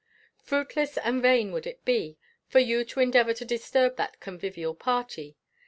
Fruitless and vain would it be for you to endeavour to disturb that convivial party.